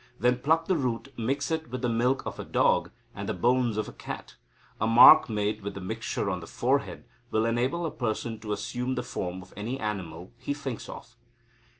Then pluck the root, mix it with the milk of a dog, and the bones of a cat. A mark made with the mixture on the forehead will enable a person to assume the form of any animal he thinks of.